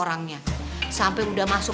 orang orang disuruh felt out